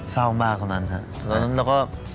เศร้ามากเท่านั้นค่ะ